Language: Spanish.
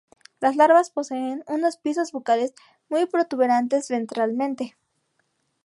Las larvas poseen unas piezas bucales muy protuberantes ventralmente.